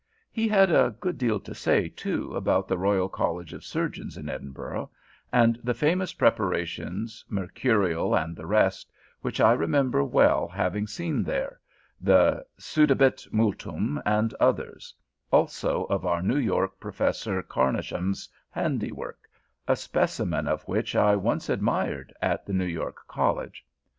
He had a good deal to say, too, about the Royal College of Surgeons in Edinburgh, and the famous preparations, mercurial and the rest, which I remember well having seen there, the "sudabit multum," and others, also of our New York Professor Carnochan's handiwork, a specimen of which I once admired at the New York College.